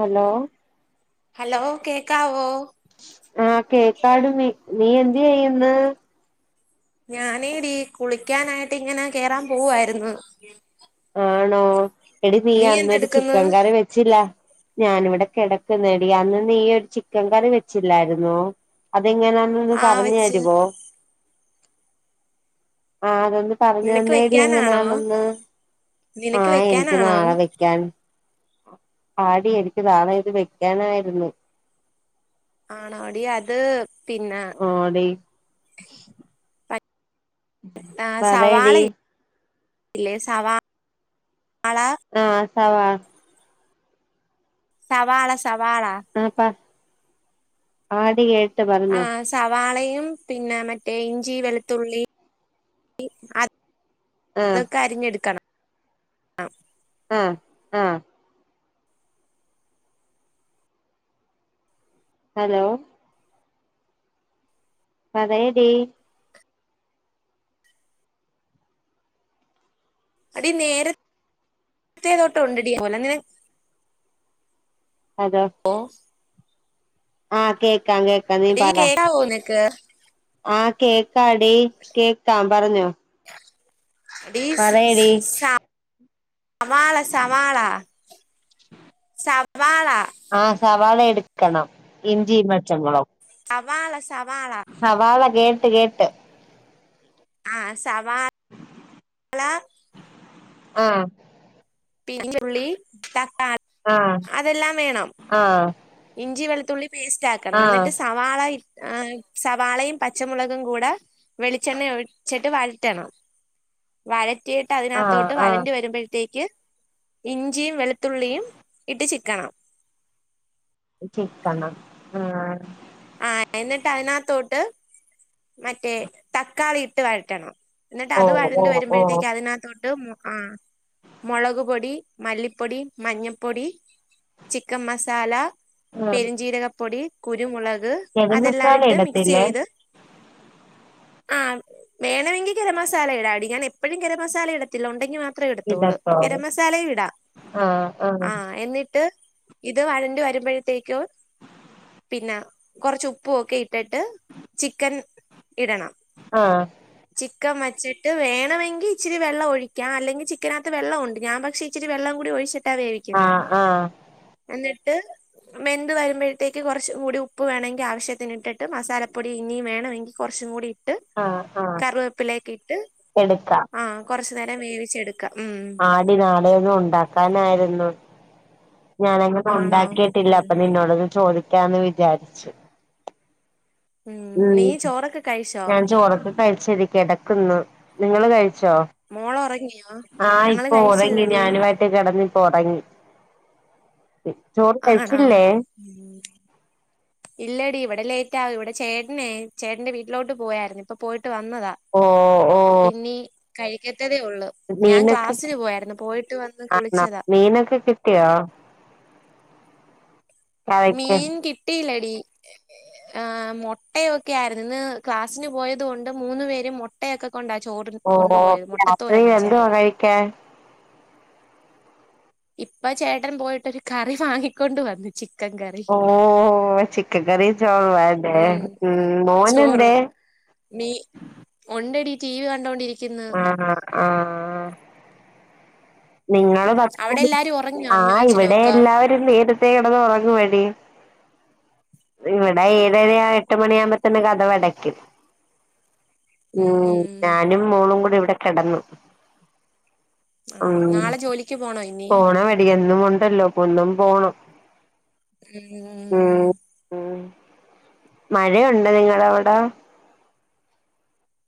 Hello hello കേക്കാവോ ആഹ് കേക്കാടി നീ നീ എന്ത്‌ ചെയ്യ്ന്ന് ഞാനേടീ കുളിക്കാനായിട്ട് ഇങ്ങനെ കേറാൻ പോവ്വ്ആയിരുന്നു ആണോ എടി നീ അന്നൊരു എന്തെടുക്കുന്നു ചിക്കൻ കറി വെച്ചില്ലാ ഞാനിവിടെ കെടക്കുന്നെടി അന്ന് നീ ഒരു ചിക്കൻ കറി വെച്ചില്ലായിരുന്നോ അതെങ്ങനാ ന്ന് ഒന്ന് ആ പറഞ്ഞു വെച്ച് തരുവോ ആഹ് അതൊന്ന് നിനക്ക് പറഞ്ഞ്തന്നേടി വെക്കാനാണോ എങ്ങനെയാണെന്ന് നിനക്ക് ആഹ് എനിക്ക് വെക്കാനാണോ നാളെ വെക്കാൻ ആടി എനിക്ക് നാളെയത് വെക്കാനായിര്ന്നു ആണോടി അത് പിന്നെ ഓടി പ- പറയെടി ഇല്ലെ സവാ ള ആഹ് സവാ സവാള സവാള എന്നിട്ടാ ആടി കേട്ട് ആ പറഞ്ഞോ സവാളയും പിന്നെ മറ്റേ ഇഞ്ചി വെളുത്തുള്ളി അ ആഹ് അതൊക്കെ അരിഞ്ഞെടുക്കണം ആഹ് ആഹ് ഹലോ പറയെടി എടി നേരുതേ തൊട്ട് ഉണ്ടെടി [unintelligible] ല ങ്ങനെ അതെ ഓ ആഹ് കേക്കാം കേക്കാം നീ എടി പറ കേക്കാവോ നിനക്ക് ആഹ് കേക്കാടി കേക്കാം പറഞ്ഞോ ടി സ് സ് പറയടി സ വാള സവാള വാള ആഹ് സവാള എടുക്കണം ഇഞ്ചി പച്ചമുളകും സവാള സവാള സവാള കേട്ട് കേട്ട് ആഹ് സവാ ആഹ് പിനി ഞ്ഞുള്ളി തക്കാളി ആഹ് അതെല്ലാം വേണം ആഹ് ഇഞ്ചി വെളുത്തുള്ളി പേസ്റ്റ് ആക്കണം ആഹ് എന്നിട്ട് സവാള ആഹ് സവാളയും പച്ചമുളകും കൂടെ വെളിച്ചെണ്ണ ഒഴിച്ചിട്ട് വഴറ്റണം വഴറ്റിയിട്ട് ആഹ് അതിനകത്തോട്ട് ആഹ് വഴണ്ട് വരുമ്പഴത്തേക്ക് ഇഞ്ചിയും വെളുത്തുള്ളിയും ഇട്ട് ചിക്കണം ചിക്കണം ആഹ് ആഹ് എന്നിട്ട് അതിനകത്തോട്ട് മറ്റേ തക്കാളി ഇട്ട് വഴറ്റണം എന്നിട്ട് അത് ഓഹ് വഴണ്ട് ഓഹ് ഓഹ് വരുമ്പഴത്തേക്ക് അതിനകത്തോട്ട് ആഹ് മുളക് പൊടി മല്ലിപ്പൊടി മഞ്ഞപ്പൊടി ചിക്കൻ മസാല, ആഹ് പെരിഞ്ചീരകപ്പൊടി, കുരുമുളക്. ഗരം അതെല്ലാം മസാല ഇട്ട് മിക്സ് ഇടത്തില്ലേ ചെയ്ത്. ആഹ് വേണമെങ്കിൽ ഗരമസാല ഇടാടി ഞാനെപ്പഴും ഗരമസാല ഇട ഇടത്തില്ല ഉണ്ടെങ്കി മാത്രേ ഇടത്തുള്ളൂ ഇടത്തോ ഗരം മസാലയും ഇടാം ആഹ് എന്നിട്ട്. ഇത് വഴണ്ടു വരുമ്പഴത്തേക്കോ. പിന്നെ കുറച്ച് ഉപ്പും ഒക്കെ ഇട്ടിട്ട് ചിക്കൻ. ഇടണം. ആഹ്. ചിക്കൻ വച്ചിട്ട് വേണമെങ്കി ഇച്ചിരി വെള്ളം ഒഴിക്കാം അല്ലെങ്കി ചിക്കനകത്ത് വെള്ളമുണ്ട് ഞാൻ പക്ഷെ. ഇച്ചിരി വെള്ളം കൂടി ഒഴിച്ചിട്ടാ വേവിക്കുന്നത് ആഹ് ആഹ് എന്നിട്ട്. വെന്ത് വരുമ്പഴത്തേക്ക് കുറച്ചും കൂടി ഉപ്പ് വേണങ്കി ആവശ്യത്തിന് ഇട്ടിട്ട് മസാലപ്പൊടി ഇനിയും വേണമെങ്കി. കുറച്ചും കൂടി ഇട്ട് ആഹ് ആഹ് കറിവേപ്പിലയൊക്കെ ഇട്ട് എടുക്കാം ആഹ്. കുറച്ചു നേരം വേവിച്ചെടുക്കാം ഉം. ആടി നാളെയൊന്ന് ഉണ്ടാക്കാനായിരുന്നു. ഞാനങ്ങനെ ആണോ ഉണ്ടാക്കിയിട്ടില്ല ഉം അപ്പൊ നിന്നോടത് ചോദിക്കാന്ന് വിചാരിച്ചു. ഉം നീ ചോറൊക്കെ കഴിച്ചോ ഞാൻ ചോറൊക്കെ കഴിച്ച് കെടക്കുന്നു നിങ്ങള് കഴിച്ചോ? മോള് ഉറങ്ങിയോ ആഹ് ഞങ്ങള് ഇപ്പൊ ഉറങ്ങി കഴിച്ചില്ലടി ഞാന്. കെടന്നു ഇപ്പ ഉറങ്ങി ചോറ് ആണോ കഴിച്ചില്ലേ? ഉം. [inaudible] ഇല്ലടി ഇവിടെ ലേറ്റ് ആകും ഇവിടെ ചേട്ടനെ ചേട്ടന്റെ വീട്ടിലോട്ട് പോയായിരുന്നു ഇപ്പൊ പോയിട്ട് വന്നതാ. ഓഹ്. അപ്പ ഇനി കഴിക്കത്തതേ ഉള്ളൂ ഞാൻ മീനൊക്കെ ക്ലാസ്സിന് പോയായിരുന്നു പോയിട്ട് വന്ന് ആണോ കുളിച്ചതാ. മീനൊക്കെ കി കിട്ടിയോ? കറിക്ക് മീൻ കിട്ടിയില്ലടി. ആഹ് മുട്ടയൊക്കെ ആയിരുന്നു ഇന്ന് ക്ലാസിന് പോയത് കൊണ്ട് മൂന്നു പേരും മുട്ടയൊക്കെ. കൊണ്ടാ ചോറ് കൊണ്ടുപോയത് മുട്ടത്തോരൻ വെച്ചായിരുന്നു. കേ. ഇപ്പം ചേട്ടൻ പോയിട്ടൊരു കറി വാങ്ങിക്കൊണ്ട് വന്നു ചി ഓഹ് ചിക്കൻകറിം ചോറുവാലേ ഉം ചോറ് മോനെന്തേ? മീ ഉണ്ടെടി ടി വി കണ്ടോണ്ടിരിക്കുന്ന്. [unintelligible] ആഹ്. ഉം. നിങ്ങള് അവിടെ [unintelligible] എല്ലാരും ഉറങ്ങിയോ അമ്മയും ആഹ് അച്ഛനും ഇവിടെ ഒക്കെ എല്ലാവരും നേരത്തെ കിടന്ന് ഉറങ്ങുമെടി. ഇവിടെ ഏഴര എട്ട് മണിയാവുമ്പത്തന്നെ കതകടക്കും. ഉം ഞാനും മോളും കൂടെ ഇവിടെ കിടന്നു. ഉം ആണോ നാളെ ജോലിക്ക് പോണോ ഇനി പോണമെടി എന്നും ഉണ്ടല്ലോ ഒന്നും പോണം ഹ്‌ഹാ ഉം ഉം. മഴയുണ്ടോ നിങ്ങളവിടെ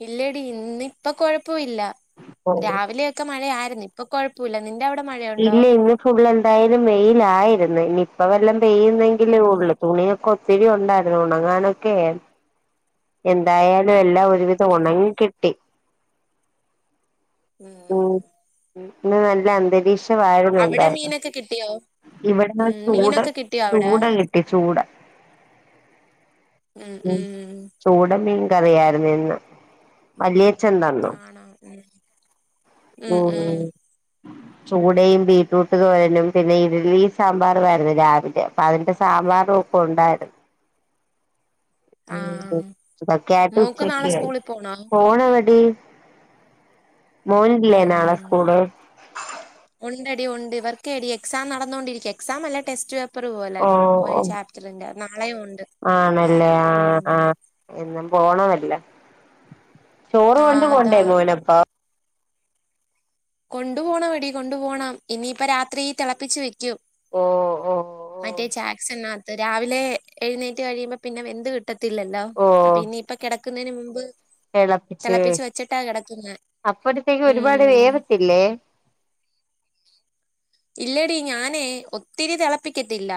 ഇല്ലടി ഇന്ന് ഇപ്പ കൊഴപ്പവില്ല രാവിലെയൊക്കെ മഴയാരുന്ന് ഇപ്പൊ കൊഴപ്പുല്ല നിന്റെ അവിടെ മഴയുണ്ടോ ഫുള് എന്തായാലും വെയിലായിരുന്ന് ഇനിയിപ്പ വല്ലം പെയ്യുന്നെങ്കിലെ ഉം ഒള്ള് തുണിയൊ കൊത്തിരി ഉണ്ടായിരുന്നു ഒണങ്ങാനൊക്കെ എന്തായാലും എല്ലാം ഒരുവിധം ഉം ഉം ഒണങ്ങി കിട്ടി ഉം ഉം നല്ല അന്തരീക്ഷ വായിരുന്നു അവിടെ എന്തായാലും മീനൊക്കെ കിട്ടിയോ ഇവിട്ന്ന് ഉം ചൂട് മീനൊക്കെ കിട്ടിയോ അവിടെ ചൂട [unintelligible] ട്ടി ചൂട് ഉം ഉം ഉം ചൂട മീൻ കറിയായിരുന്നു ഇന്ന് വല്ല്യേച്ച എന്താന്ന് ആണോ ഉം ഉം ചൂടയും ബീറ്റ്റൂട്ട് തോരനും പിന്നെ ഇഡലീം സാമ്പാറുവാരുന്നു രാവിലെ അതിന്റെ സാമ്പാറും ഒപ്പം ഒണ്ടാരുന്നു ഉം ആഹ് പ്പ കേട്ടു മോക്ക് നാളെ ഉച്ചയ്ക്ക് സ്കൂളിൽ പോണോ ഫോണ് എവിടി മോനില്ലേ ഉം നാളെ സ്കൂള് ഉണ്ടെടി ഉണ്ട് ഇവർക്കെടി എക്സാം നടന്നുകൊണ്ടിരിക്ക എക്സാം അല്ല ടെസ്റ്റ് പേ പ്പറു പോലെ ഓഹ് ഒരേ ഓഹ് ചാപ്റ്ററിന്റെ നാളെയും ഒണ്ട് ആണല്ലേ ആഹ് ആഹ് എന്നും പോണവല്ലോ ചോറ് കൊണ്ട് ആഹ് അതാ പോണ്ടേ മോനും കൊണ്ടു പോണമെടി കൊണ്ടു പോണം ഇനിയിപ്പ രാത്രി തെളപ്പിച്ചു വെക്കും ഓഹ് ഓ മറ്റേ ചാക്സൺനാത്ത് രാവിലെ എഴുന്നേറ്റ് കഴിയുമ്പോ പിന്നെ വെന്ത് കിട്ടത്തില്ലല്ലോ ല്ലോ അപ്പൊ ഇനിയിപ്പ കെടക്കുന്നതിന് മുമ്പ് തെളപ്പിച്ച് വെ തിളപ്പിച്ച് വെച്ചിട്ടാ കിടക്കുന്നെ അപ്പഴത്തേക്ക് ഒരുപാട് ഉം വേവത്തില്ലേ ഇല്ലെടി ഞാനേ ഒത്തിരി തെളപ്പിക്കത്തില്ല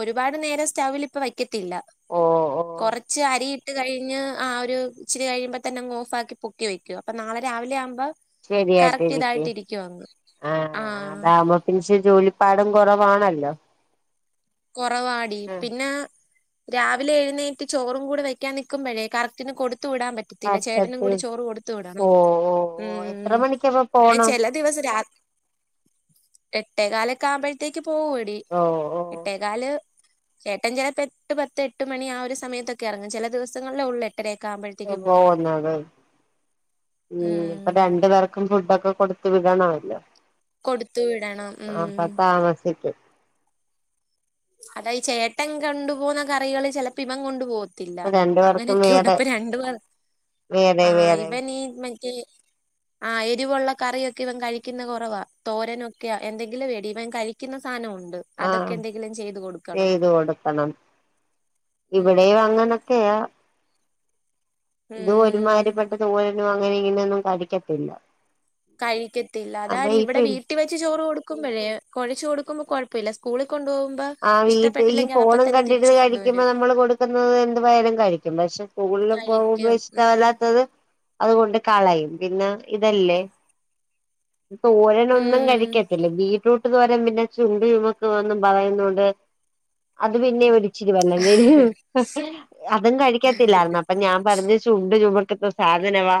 ഒരുപാട് നേരം സ്റ്റൗവിൽ ഇപ്പ വെയ്ക്ക ത്തില്ല ഓ ഓ കൊറച്ച് അരി ഇട്ട് കഴിഞ്ഞ് ആ ഒരു ഇച്ചിരി കഴിയുമ്പോ തന്നെങ്ങ് ഓഫാക്കി പൊക്കി വെക്കും അപ്പൊ നാളെ രാവിലെ ആമ്പോ ശരിയായിട്ടെ നിക്ക് ആ ആഹ് അതാമ്പം പിൻഷെ ജോലിപ്പാടും കൊറവാണല്ലോ കൊറവാടി പിന്ന രാവിലെ എഴുന്നേറ്റ് ചോറും കൂടെ വെക്കൻ നിക്കുമ്പഴേ കറക്റ്റിന് കൊടുത്തു വിടാൻ പ റ്റത്തില്ല ചേട്ടനും പറ്റത്തി കൂടി ചോറ് കൊടുത്തു വിടണം ഓ ഓ ഓ എത്ര ഉം മണിക്കപ്പ ന്നെ പോണം ചെല ദിവസം രാ എട്ടേ കാലൊക്കെ ആവുമ്പഴത്തേക്ക് പോവു എടി ഓഹ് എട്ടേകാല് ഏട്ടൻ ചെലപ്പോ എട്ട് പത്ത് എട്ട് മണി ആ ഒരു സമയത്തൊക്കെ എറങ്ങും ചെല ദിവസങ്ങളിലെ ഒള്ളെ ട്ടെരയൊക്കെ ആവുമ്പഴ ത് പോവുന്നത് ഉം ഇപ്പൊ രണ്ടു പേർ ക്കും ഫുഡ്ഡൊക്കെ കൊടുത്ത് വിടണമല്ലോ കൊടുത്തു വിടണം അപ്പൊ ഉം താമസിക്കും. അതായി ചേട്ടൻ കണ്ടു പോവുന്ന കറികള് ചെലപ്പിവൻ കൊണ്ടു പോവ ത്തില്ല ഇപ്പൊ രണ്ടു പേർക്കും അങ്ങനെയൊക്കെയുണ്ട് വേറെ പ്പൊ രണ്ടുപേർ വേറെ ആഹ് വേറെ ഇവനീ മറ്റേ ആഹ് എരിവുള്ള കറിയൊക്കി വൻ കഴിക്കുന്ന കൊറവാ തോരനൊക്കെയ എന്തെങ്കിലും എടി ഇവൻ കഴി ക്കുന്ന സാനവൊണ്ട് അതൊക്കെന്തെ ചെയ്തു കൊടുക്കണം ഉം ഇവിടെം അങ്ങനൊക്കെയാ. തു ഉം ഒരുമാതിരിപ്പെട്ട തോരനും അങ്ങനെ ഇങ്ങനെയൊന്നും കഴിക്കത്തില്ല കഴിക്കത്തില്ല അതെ ഈ അതാണിവിടെ പി വീ ട്ടി വെച്ച് ചോറ് കൊടുക്കുമ്പഴേ കൊഴച്ച് കൊടുക്കുമ്പോ കൊഴപ്പില്ല സ്കൂളി കൊണ്ടു പോവു ആഹ് വീട്ടിലീ ഫോണും കണ്ടിരുന്ന് കഴിക്കുമ്പോ കൊണ്ടുവരും നമ്മള് കൊടുക്കുന്നത് എന്തുവായാലും കഴിക്കും പക്ഷെ സ്കൂളില് പോവുമ്പോ കഴിക്കും ഉം ഇഷ്ടല്ലാത്തത് അതുകൊണ്ട് കളയും പിന്നെ ഇതല്ലേ തോരനൊന്നും ഉം കഴിക്കത്തില്ല ബീറ്റ്റൂട്ട് തോരൻ പിന്നെ ചുണ്ട് ചുമക്കുവെന്നും പറയുന്നുണ്ട് അത് പിന്നെ ഒരി ച്ചിരി വല്ലേ [unintelligible] അതും കഴിക്കത്തില്ലായിരുന്നു അപ്പൊ ഞാൻ പറഞ്ഞു ചുണ്ട് ചുമക്കുന്ന സാധനവാ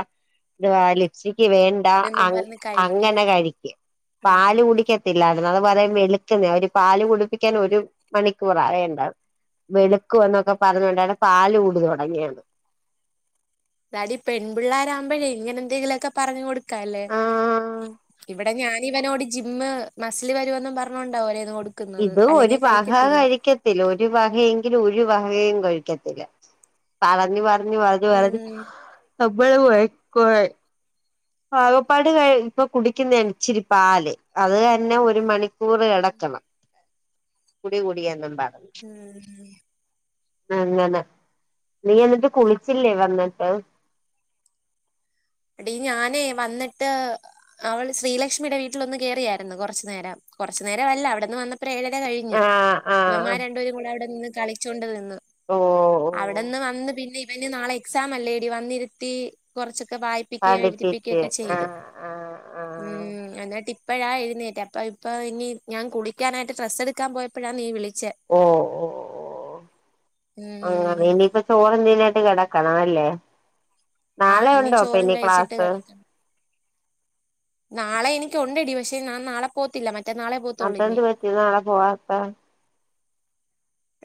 ഇതുവാ ലിപ്സിക്ക് വേ ണ്ട എന്നും അങ്ങ് പറഞ്ഞ് കഴിക്കും അങ്ങനെ കഴിക്ക ഉം പാല് കുടിക്ക ത്തില്ലാരുന്നു അത് പറയും വെളുക്കുന്നേ ഒരു പാല് കുടിപ്പിക്കാൻ ഒരു മണിക്കൂറാ വേണ്ട ത് വെളുക്കുവൊന്നൊക്കെ പറഞ്ഞൊണ്ടാണ് പാല് കുടി തൊടങ്ങിയത് തരി പെൺപിള്ളോരാവുമ്പഴേ ഇങ്ങനെന്തെലുമൊക്കെ പറഞ്ഞു കൊടുക്കാല്ലേ ആഹ് ഇവിടെ ഞാൻ ഇവനോട് ജിമ്മ് മസ്സില് വരുവെന്നും പറഞ്ഞോണ്ടാ [unintelligible] ഇതു ഒരു അല്ലെങ്കിൽ വഹാ കഴിക്കത്തില്ല കഴിക്കത്തില്ല ഒരു വഹയെങ്കിലും ഒര് വഹയും കഴിക്കത്തില്ല. പറഞ്ഞ് പറഞ്ഞ് പറഞ്ഞ് ഉം നമ്മള് [unintelligible] ആകപ്പാടി കഴി ഇപ്പൊ കുടിക്കുന്നണ് ഇച്ചിരി പാല് അത് തന്നെ ഒര് മണി കൂറ് [unintelligible] കുടി കുടിയെന്നും പറഞ്ഞ് ഉം. അങ്ങനെ നീ എന്നിട്ട് കുളിച്ചില്ലേ വന്ന്ട്ട്? എടീ ഞാനേ വന്ന്ട്ട് അവള് ശ്രീലക്ഷ്മീടെ വീട്ടിലൊന്ന് കേറിയാര്ന്നു കൊറച്ച് നേരം കൊറച്ചു നേരവല്ല അവിടന്ന് വന്ന് പ്പൊരേയര കഴിഞ്ഞ് ആഹ് ആഹ് ഇവന്മാർ രണ്ടുപേരും കൂടെ അവിടെ നിന്ന് കളിച്ചോണ്ട് നിന്ന്. ഓഹ് അവിടെന്ന് വന്ന് പിന്നിവന് നാളെ എക്സാമല്ലേടി വന്നിരുത്തി കൊറച്ചൊക്കെ വായി പ്പിക്ക്യേ പഠിപ്പിച്ച് എഴുതിപ്പിക്ക്യോക്കെ ചെയ്ത്. ആഹ് ആഹ് ആഹ് ഉം എന്നിട്ടിപ്പഴാ എഴ്ന്നേറ്റേ അപ്പ ഇപ്പ ഇനി ഞാൻ കുളിക്കാനായിട്ട് ഡ്രസ്സെടുക്കാൻ പോയ പ്പഴാ നീ വിളിച്ചേ. ഓഹ് ഓഹ് ഓഹ് ആഹ് ഉം ഇനീപ്പ ചോറും തിന്നിട്ട് കെടക്കണവല്ലേ ആ നാളെ ഇനി ചോറും ഉണ്ടോപ്പനി കഴിച്ചിട്ട് ക്ലാസ്സ്? കിടക്കണം നാളെ എനിക്കൊണ്ടെടി പക്ഷെ ഞാൻ നാളെ പോവത്തില്ല മറ്റന്നാളെ പോത്തുള്ളൂ ഇനി അതെന്തു പറ്റി നാളെ പോവാത്തേ?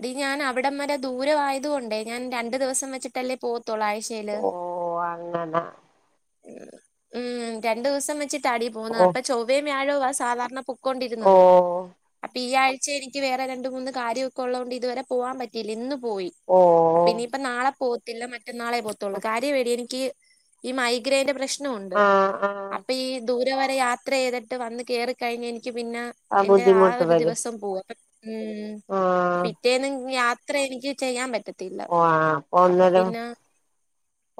ടീ ഞാൻ അവിടം വരെ ദൂരവായതു കൊണ്ടേ ഞാൻ രണ്ട് ദിവസം വെച്ചിട്ടല്ലേ പോവത്തൊള്ള് ആഴ്ച് ചേല് ഓ അങ്ങനെ ഉം രണ്ടുവസം വെച്ച് ത്താടി പോക്ന്നത് ഓ അപ്പൊ ചൊവ്വേം വ്യാഴോ ആ സാധാരണ ഓ പൊക്കോണ്ടിര്ന്നത്. അപ്പീ ആഴ്ച എനിക്ക് വേറെ രണ്ട് മൂന്ന് കാര്യവൊക്കെ ഒള്ളോണ്ട് ഇതുവരെ പോവാൻ പറ്റീല്ല്യ ഇന്ന് പോയി. ഒ ഓഹ്. പിന്നീപ്പ നാളെ പോവത്തില്ല മറ്റന്നാളെ പോവത്തൊള്ളൂ കാര്യവെടീ എനിക്ക് ഈ മൈഗ്രൈന്റെ പ്രശ് നവൊണ്ട് ആഹ് ആഹ് അപ്പൊ ഈ ദൂരെ വരെ യാത്രെയ്തിട്ട് വന്ന് കേറിക്കഴിഞ്ഞാ എനിക്ക് പിന്ന എന്റെ ആ ബുദ്ധിമുട്ട് ഒര് വരും ദിവസം പോവും, അപ്പ ഉം. ആഹ്. പിറ്റേന്നും യാത്ര എനിക്ക് ചെയ്യാൻ പറ്റത്തി വൊ ആഹ് ഒന്നരം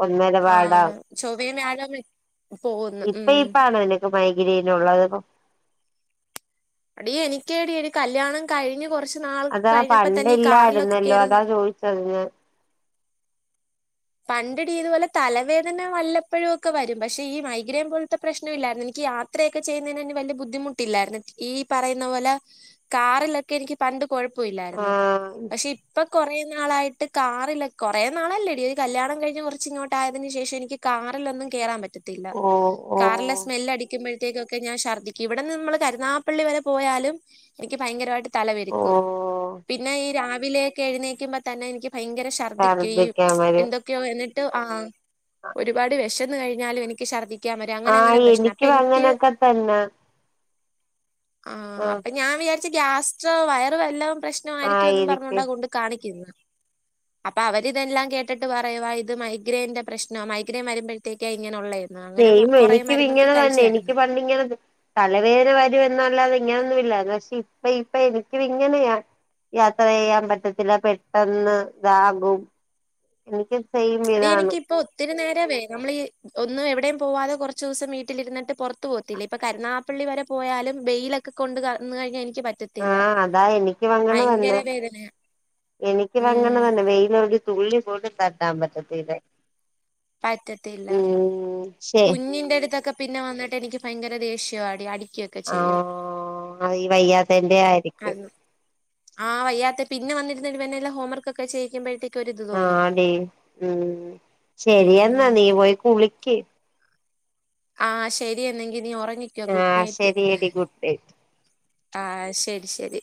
ഒന്നര പാടാ [unintelligible] പോകുന്നു ഉം ഇപ്പ ഇപ്പാണേ നിനക്ക് മൈഗ്രീനൊള്ളത്പ്പോ? എടീ എനിക്കേടീ എടീ കല്ല്യാണം കഴിഞ്ഞ് കൊറച്ച് അതാ പണ്ടില്ലായിര്ന്നല്ലോ കേറുമ്പോ അതാ ചോയിച്ചത് ഞാൻ. പണ്ടെടീ ഇതുപോലെ തലവേദന വല്ലപ്പോഴു ഒക്കെ വരും പക്ഷെ ഈ മൈഗ്രെൻ പോല്ത്തെ പ്രശ്നം ഇല്ലാര്ന്ന് എനിക്ക് യാ ത്രയൊക്കെ ചെയ്യുന്നേന് വല്ല്യ ബുദ്ധിമുട്ടില്ലായിര്ന്ന്, ഈ പറയ്ന്ന പോലെ കാറിലൊക്കെ എനിക്ക് പണ്ട് കൊഴപ്പവില്ലായിര്ന്ന് ആഹ് പക്ഷെ ഇപ്പൊ കൊറേ നാളായിട്ട് കാറില് കൊറേ നാളല്ലെടി കല്ല്യാണം കഴിഞ്ഞ് കൊറച്ച് ഇങ്ങോട്ടയതിന് ശേഷം എനിക്ക് കാറിലൊന്നും കേറാൻ പറ്റ ഓ ഓ കാറിലെ സ്മെല്ല് അടിക്കുമ്പോഴ ക്കൊക്കെ ഞാൻ ഛർദ്ദിക്കും ഇവിടെന്ന് നമ്മള് കരുനാപ്പള്ളി വരെ പോയാലും എനിക്ക് ഭയങ്കരവായിട്ട് ഓ തലപൊരുക്കും പിന്നെ ഈ രാവിലെയെക്കെ എഴുന്നേക്കുമ്പോ തന്നെ എനിക്ക് ഭയങ്കര ശ- ശർദ്ധിക്കാൻ വരും. എന്നിട്ട് ആഹ്, ഒരുപാട് വെഷന്ന് കഴിഞ്ഞാലും എനിക്ക് ഛർദ്ദി ആഹ് എനിക്കു അങ്ങനൊക്കെ തന്ന. ആഹ് അപ്പൊ ഞാൻ വിയാരിച്ച് ഗ്യാസ്ട്ര വയറ് വല്ലോം പ്രശ്നം ആയ്രിക്കുവെന്നും ആയിരിക്കും പറഞ്ഞോണ്ടാ കൊണ്ട് കാണിക്കിന്ന് അപ്പൊ അവരിതെല്ലാം കേ ട്ടിട്ട് പറയുവാ ഇത് മൈഗ്രൈൻ്റെ പ്രശ്നാ മൈഗ്രെൻ വരുമ്പഴത്തേക്കാ ഇങ്ങനൊള്ളേ സെയം എനിക്കു ഇങ്ങനെ തന്നെ എനിക്ക് പണ്ടിങ്ങനെ തലവേന വരുവെന്നല്ലാതെ ഇങ്ങനൊന്നുവില്ലാ പക്ഷെ ഇപ്പ ഇപ്പ എനിക്കൂ ഇങ്ങനെയാ. യാത്ര ചെയ്യാൻ പറ്റത്തില്ല പെട്ടന്ന് ഇതാകും. എന്തൊക്കെ ചെയ്യും. എടി എനിക്കിപ്പ ഒത്തിരി നേര വേ നമ്മളീ. ഒന്നും എവിടെയും പോവാതെ കൊറച്ച് ദിവസം വീട്ടിലിരിന്നിട്ട് പൊറത്ത് പോവത്തില്ലെ. ഇപ്പൊ കരുണാകപ്പള്ളി വരെ പോയാലും വെയിലൊക്കെ. ക്കെ കൊണ്ട്ന്ന് കഴിഞ്ഞാനിക്ക് പറ്റ ആഹ് അതാ എനിക്കും അങ്ങനതന്നാ. വേദനയാ എനിക്കും ഉം അങ്ങനതന്നാ വെയിലടി തുള്ളിപോലും തട്ടാപറ്റത്തില്ല. പറ്റത്തില്ല. ശെ. ഞ്ഞിന്റെട്ത്തൊക്കെ പിന്നെ വന്നിട്ടെനിക്ക് ഭയങ്കര ദേശ്യാടി അടികൊ ക്കെചെയ്യും ആഹ് ഈ വയ്യാത്തേന്റെ ആയിരിക്കും അത്. ആഹ് വെയ്യാത്തെ പിന്നെവന്നിരുന്ന് ഇവനെല്ലാ ഹോംവർകൊക്കെ ചെയ്യിക്കുമ്പോഴ്ത്തേ ആഹ് ടീ ഉം ശരിയെന്നാ ഉം നീ പോയി കുളിക്ക്. ആഹ് ശെരി എന്നെങ്കി നീ ഒറങ്ങി ആഹ് ശെരിയെടി ഗുഡ്നൈറ്റ്. ആഹ് ശെരി, ശെരി.